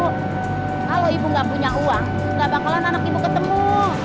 kalau ibu nggak punya uang gak bakalan anak ibu ketemu